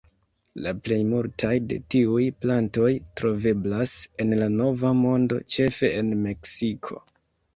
La plej multaj de tiuj plantoj troveblas en la Nova Mondo, ĉefe en Meksiko.